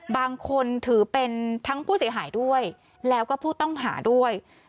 บางคนถือเป็นทั้งผู้เสียหายด้วยแล้วก็ผู้ต้องหาด้วย